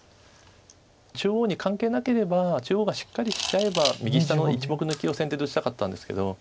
中央に関係なければ中央がしっかりしちゃえば右下の１目抜きを先手で打ちたかったんですけど。